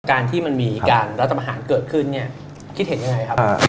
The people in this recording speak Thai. การที่มันมีการรัฐบาหารเกิดขึ้น